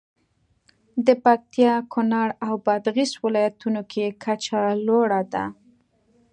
د پکتیا، کونړ او بادغیس ولایتونو کې کچه لوړه ده.